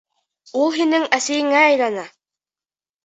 Ул һинең әсәйеңә әйләнә.